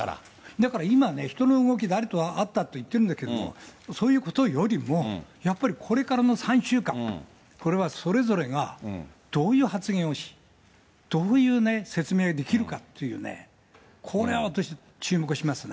だから今ね、人の動き、誰と誰が会ったと言ってるんだけど、そういうことよりも、やっぱりこれからの３週間、これはそれぞれがどういう発言をし、どういう説明ができるかっていうね、これは私、注目しますね。